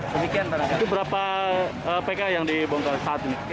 begitu berapa pkl yang dibongkar saat ini